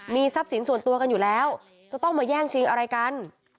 มีทรัพย์สินส่วนตัวกันอยู่แล้วจะต้องมาแย่งชิงอะไรกัน